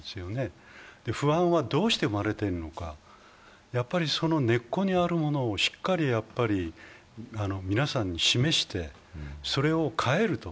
不安はどうして生まれているのか、その根っこにあるものをしっかり皆さんに示してそれを変えると。